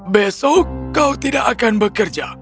besok kau tidak akan bekerja